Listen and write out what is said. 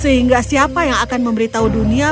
sehingga siapa yang akan memberitahu dunia